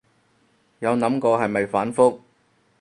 有諗過係咪反覆